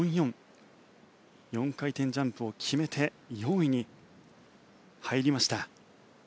４回転ジャンプを決めて４位に入りました。